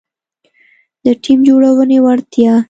-د ټیم جوړونې وړتیا